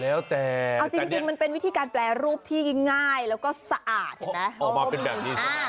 เอาจริงมันเป็นวิธีการแปลรูปที่ง่ายแล้วก็สะอาดเห็นมั้ย